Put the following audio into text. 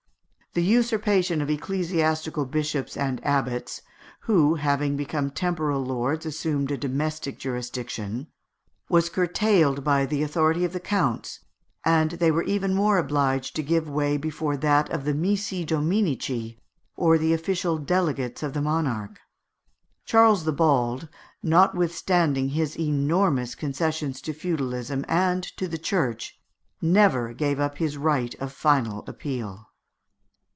The usurpation of ecclesiastical bishops and abbots who, having become temporal lords, assumed a domestic jurisdiction was curtailed by the authority of the counts, and they were even more obliged to give way before that of the missi dominici, or the official delegates of the monarch. Charles the Bald, notwithstanding his enormous concessions to feudalism and to the Church, never gave up his right of final appeal.